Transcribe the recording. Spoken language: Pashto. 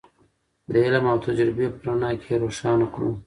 د علم او تجربې په رڼا کې یې روښانه کړو.